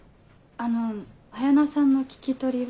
あの彩菜さんの聞き取りは。